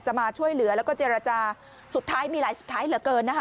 มาช่วยเหลือแล้วก็เจรจาสุดท้ายมีหลายสุดท้ายเหลือเกินนะคะ